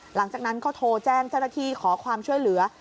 หลังจากนั้นก็โทรแจ้งเจ้าหน้าที่ขอความช่วยเหลือ